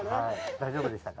大丈夫でしたか？